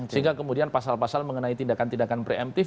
sehingga kemudian pasal pasal mengenai tindakan tindakan preemptif